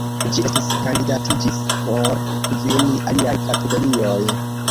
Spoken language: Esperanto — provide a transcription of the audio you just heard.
Ĝi estis kandidatiĝis por kvin aliaj kategorioj.